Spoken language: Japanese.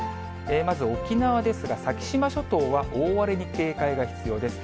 まず、沖縄ですが、先島諸島は大荒れに警戒が必要です。